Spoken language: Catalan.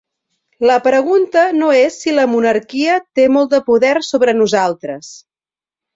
La pregunta no és si la monarquia té molt de poder sobre nosaltres.